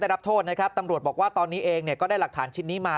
รับโทษนะครับตำรวจบอกว่าตอนนี้เองเนี่ยก็ได้หลักฐานชิ้นนี้มา